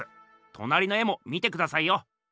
となりの絵も見てくださいよ。